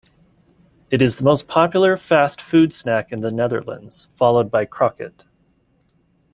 It is the most popular fast food snack in the Netherlands, followed by "kroket".